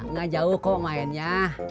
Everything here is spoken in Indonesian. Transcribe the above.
nggak jauh kok mainnya